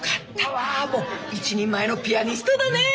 もう一人前のピアニストだね！